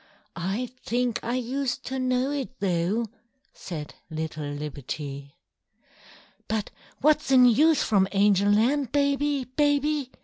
"I think I used to know it, though!" Said little Libbety. "But what's the news from Angel Land, Baby, Baby?